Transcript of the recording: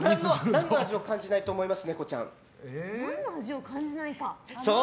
何の味を感じないと思います？